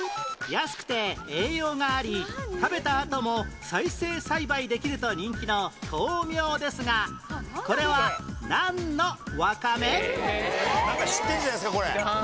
安くて栄養があり食べたあとも再生栽培できると人気の豆苗ですがこれはなんか知ってるんじゃないですかこれ。